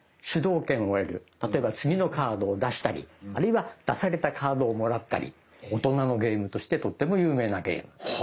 例えば次のカードを出したりあるいは出されたカードをもらったり大人のゲームとしてとっても有名なゲーム。は。